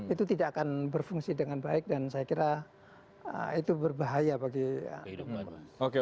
itu tidak akan berfungsi dengan baik dan saya kira itu berbahaya bagi masyarakat